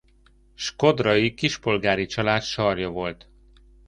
Shkodrai kispolgári család sarja volt.